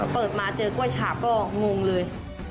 เปิดมาเจอกล้วยฉาบก็งงเลย